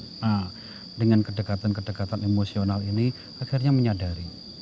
nah dengan kedekatan kedekatan emosional ini akhirnya menyadari